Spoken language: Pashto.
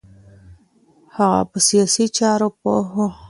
هغه په سیاسی چارو پوه و